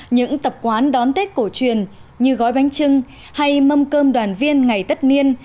những tập quán đón tết cổ truyền như gói bánh trưng hay mâm cơm đoàn viên ngày tất niên